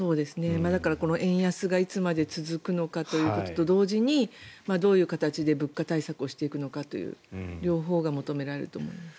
円安がいつまで続くのかということと同時にどういう形で物価対策をしていくのかという両方が求められると思います。